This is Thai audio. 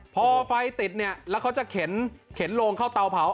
พอไฟติดเนี่ยแล้วเขาจะเข็นโลงเข้าเตาเผา